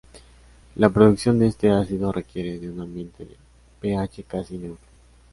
La producción de este ácido requiere de un ambiente de pH casi neutro.